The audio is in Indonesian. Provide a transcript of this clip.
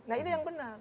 nah ini yang benar